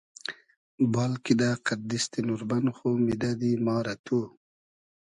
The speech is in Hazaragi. بال کیدۂ قئد دیستی نوربئن خو میدئدی ما رۂ تو